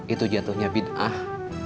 itu jatuhnya bid'ah